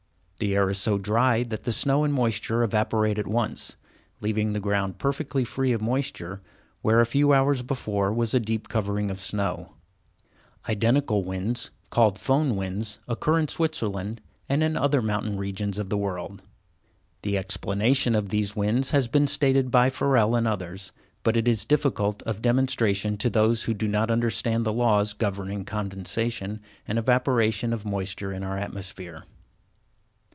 The air is so dry that the snow and moisture evaporate at once, leaving the ground perfectly free of moisture, where a few hours before was a deep covering of snow. Identical winds called Foehn winds occur in Switzerland, and in other mountain regions of the world. The explanation of these winds has been stated by Ferrel and others, but it is difficult of demonstration to those who do not understand the laws governing condensation and evaporation of moisture in our atmosphere.